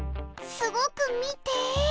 すごく見て。